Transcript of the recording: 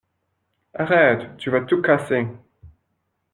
Arrête! Tu vas tout casser!